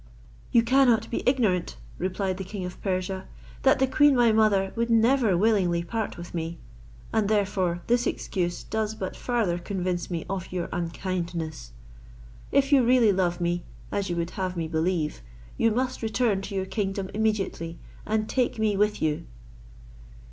"You cannot be ignorant," replied the king of Persia, "that the queen my mother would never willingly part with me; and therefore this excuse does but farther convince me of your unkindness. If you really love me, as you would have me believe, you must return to your kingdom immediately, and take me with you."